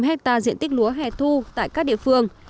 sáu chín trăm ba mươi năm hectare diện tích lúa hè thu tại các địa phương